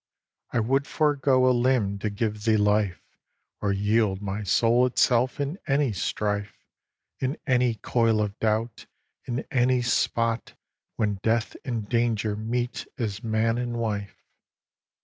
I would forego a limb to give thee life, Or yield my soul itself in any strife, In any coil of doubt, in any spot When Death and Danger meet as man and wife.